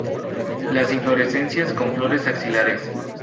Las inflorescencias con flores axilares.